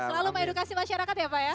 selalu mengedukasi masyarakat ya pak ya